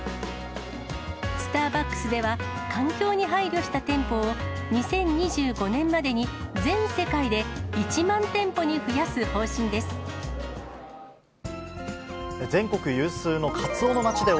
スターバックスでは、環境に配慮した店舗を２０２５年までに全世界で、１万店舗に増やす方針です。